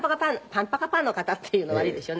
「パンパカパーン」の方っていうのも悪いですよね。